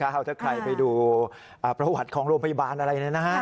ถ้าใครไปดูประวัติของโรงพยาบาลอะไร